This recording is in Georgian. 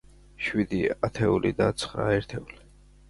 შვიდი ათეული და ცხრა ერთეული.